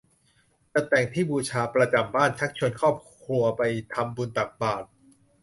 จัดแต่งที่บูชาประจำบ้าน ชักชวนครอบครัวไปทำบุญตักบาตร